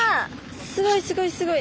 すごいすごいすごい！